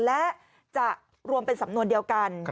และจะรวมเป็นสำนวนเดียวกัน